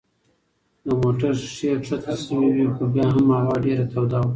د موټر ښيښې کښته شوې وې خو بیا هم هوا ډېره توده وه.